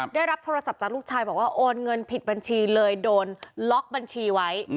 ได้รับโทรศัพท์จากลูกชายบอกว่าโอนเงินผิดบัญชีเลยโดนล็อกบัญชีไว้